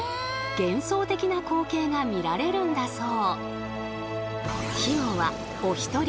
幻想的な光景が見られるんだそう。